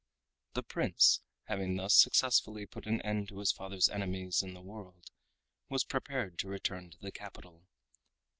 The Prince having thus successfully put an end to his father's enemies in the world, was prepared to return to the capital.